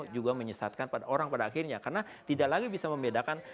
juga menyesatkan pada orang pada akhirnya karena tidak lagi bisa membedakan